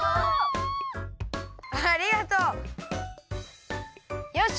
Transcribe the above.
ありがとう！よし！